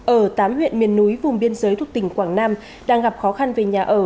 ở tám huyện miền núi vùng biên giới thuộc tỉnh quảng nam đang gặp khó khăn về nhà ở